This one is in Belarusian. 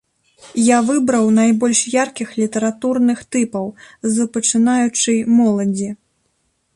Я выбраў найбольш яркіх літаратурных тыпаў з пачынаючай моладзі.